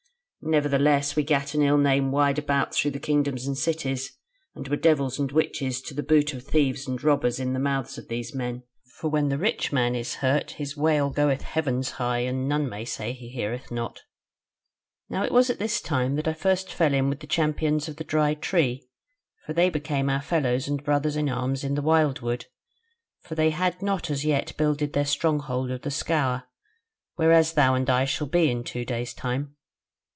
Nevertheless we gat an ill name wide about through the kingdoms and cities; and were devils and witches to the boot of thieves and robbers in the mouths of these men; for when the rich man is hurt his wail goeth heavens high, and none may say he heareth not. "Now it was at this time that I first fell in with the Champions of the Dry Tree; for they became our fellows and brothers in arms in the wildwood: for they had not as yet builded their stronghold of the Scaur, whereas thou and I shall be in two days time.